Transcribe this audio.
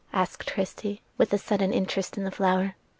asked Christie, with sudden interest in the flower.